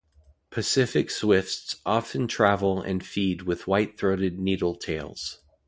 Pacific swifts often travel and feed with white-throated needletails.